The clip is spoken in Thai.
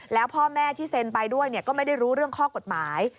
แล้วพ่อแม่ที่เซ็นไปด้วยก็ไม่ได้รู้เรื่องข้อกฎหมาย